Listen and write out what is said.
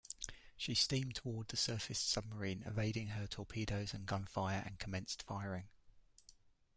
She steamed toward the surfaced submarine, evading her torpedoes and gunfire, and commenced firing.